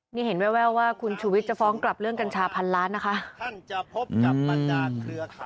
นี่เห็นแววว่าคุณชูวิทย์จะฟ้องกลับเรื่องกัญชาพันล้านนะคะ